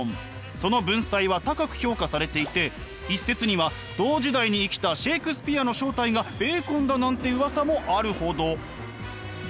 その文才は高く評価されていて一説には同時代に生きたシェークスピアの正体がベーコンだなんてうわさもあるほど。